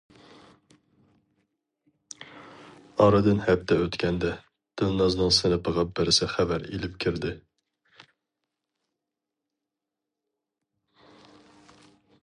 ئارىدىن ھەپتە ئۆتكەندە دىلنازنىڭ سىنىپىغا بىرسى خەۋەر ئېلىپ كىردى.